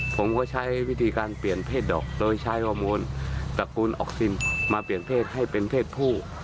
ผมก็ใช้วิธีการเปลี่ยนเพศดอกโดยใช้ฮอร์โมนตระกูลออกซินมาเปลี่ยนเพศให้เป็นเพศผู้